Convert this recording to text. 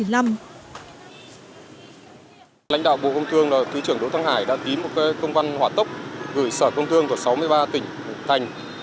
lãnh đạo bộ công thương thứ trưởng đỗ thăng hải đã ký một công văn hỏa tốc gửi sở công thương của sáu mươi ba tỉnh thành